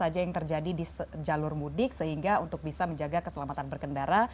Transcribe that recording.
apa saja yang terjadi di jalur mudik sehingga untuk bisa menjaga keselamatan berkendara